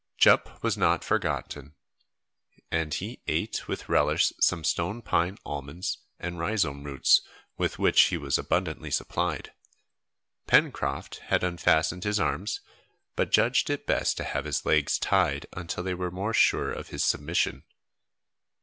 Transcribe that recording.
Jup was not forgotten, and he ate with relish some stone pine almonds and rhizome roots, with which he was abundantly supplied. Pencroft had unfastened his arms, but judged it best to have his legs tied until they were more sure of his submission.